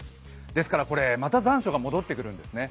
ですからまた残暑が戻ってくるんですね。